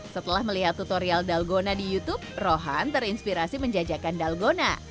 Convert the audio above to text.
setelah melihat tutorial dalgona di youtube rohan terinspirasi menjajakan dalgona